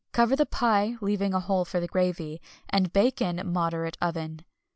Cover the pie, leaving a hole for the gravy, and bake in a moderate oven.